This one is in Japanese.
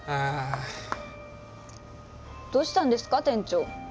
どうしたんですか店長。